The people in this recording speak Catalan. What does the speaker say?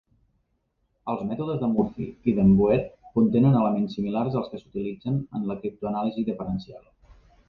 Els mètodes de Murphy i den Boer contenen elements similars als que s'utilitzen en la criptoanàlisi diferencial.